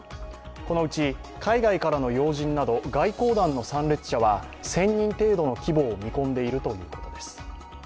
このうち海外からの要人など外交団の参列者は１０００人程度の規模を見込んでいるということです。